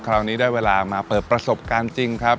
คราวนี้ได้เวลามาเปิดประสบการณ์จริงครับ